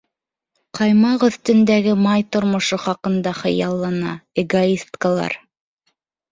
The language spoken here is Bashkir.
Ҡаймаҡ өҫтөндәге май тормошо хаҡында хыяллана, эгоисткалар.